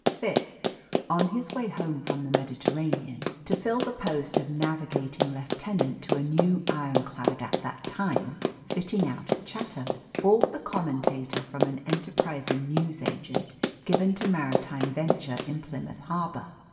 Fitz, on his way home from the Mediterranean, to fill the post of navigating lieutenant to a new ironclad at that time fitting out at Chatham, bought the Commentator from an enterprising newsagent given to maritime venture in Plymouth harbour.